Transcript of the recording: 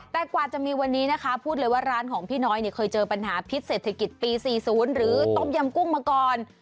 แต่กว่าจะมีวันนี้นะคะพูดเลยว่าร้านของพี่น้อยเนี่ยเคยเจอปัญหาพิษเศรษฐกิจปี๔๐หรือต้มยำกุ้งมาก่อน